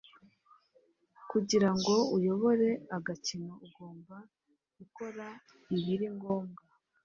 kugira ngo uyobore agakino ugomba gukora ibiri ngombwa